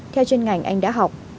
theo chuyên ngành anh đã học